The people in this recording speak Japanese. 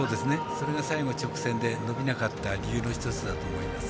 それが最後、直線で伸びなかった理由の一つだと思います。